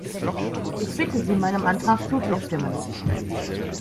Ich bitte Sie, meinem Antrag zuzustimmen.